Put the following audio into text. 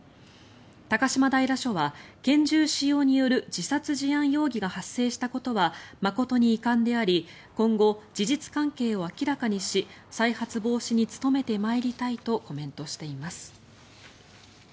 高島平署は拳銃使用による自殺事案容疑が発生したことは誠に遺憾であり今後、事実関係を明らかにし再発防止に努めてまいりたいとコメントしています。